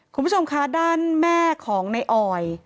คุณผู้ชมคะด้านแม่ของในออย